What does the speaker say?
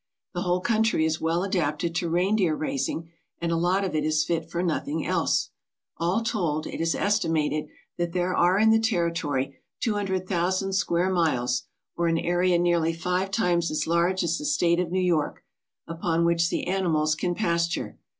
The whole country is well adapted to reindeer raising and a lot of it is fit for nothing else. All told, it is estimated that there are in the territory two hundred thousand square miles, or an area nearly five times as large as the state of New York, upon which the animals can pasture.